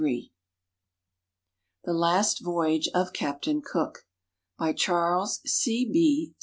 The Editor.] THE LAST VOYAGE OF CAPTAIN COOK BY CHARLES C. B.